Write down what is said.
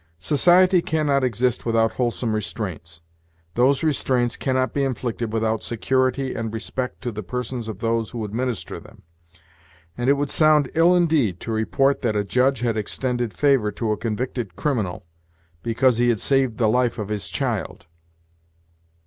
"Society cannot exist without wholesome restraints. Those restraints cannot be inflicted without security and respect to the persons of those who administer them; and it would sound ill indeed to report that a judge had extended favor to a convicted criminal, because he had saved the life of his child."